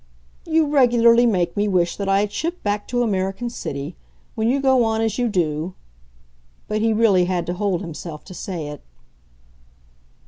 "You regularly make me wish that I had shipped back to American City. When you go on as you do " But he really had to hold himself to say it.